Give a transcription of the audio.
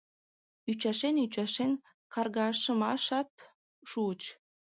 Ӱчашен-ӱчашен каргашымашат шуыч.